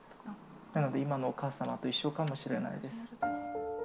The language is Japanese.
なので、今のお母様と一緒かもしれないです。